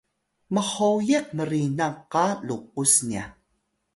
mhoyiq mrinang qa lukus nya